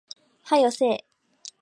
早よせえ